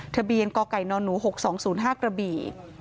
ทะเบียนกไก่นหนู๖๒๐๕กระบี่